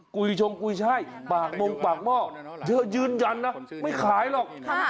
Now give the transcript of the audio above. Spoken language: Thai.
กุยชมกุยใช่ปากมุกปากม่อยืนยันนะไม่ขายหรอก